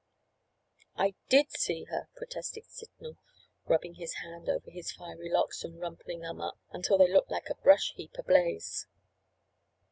"I did see her," protested Signal, rubbing his hand over his fiery locks and rumpling them up until they looked like a brush heap ablaze.